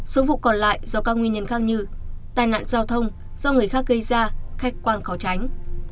số vụ còn lại do các nguyên nhân khác như tai nạn giao thông do người khác gây ra khách quan khó tránh